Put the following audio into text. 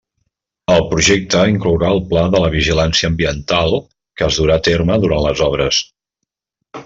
El Projecte inclourà el Pla de la vigilància ambiental que es durà a terme durant les obres.